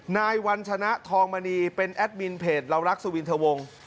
นายวัญชนะทองมณีเป็นแอดมินเพจเรารักสุวินทะวง